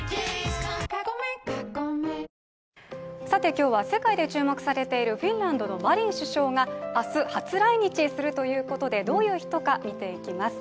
今日は世界で注目されているフィンランドのマリン首相が明日、初来日するということでどういう人か見ていきます。